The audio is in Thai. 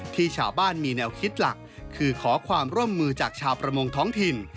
ที่ชาวบ้านมีแนวคิดหลักคือขอความร่วมมือจากชาวประมงท้องถิ่น